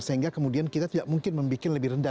sehingga kemudian kita tidak mungkin membuat lebih rendah